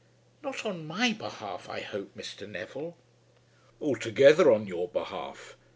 "Not on my behalf, I hope, Mr. Neville." "Altogether on your behalf.